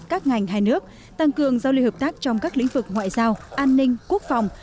các ngành hai nước tăng cường giao lưu hợp tác trong các lĩnh vực ngoại giao an ninh quốc phòng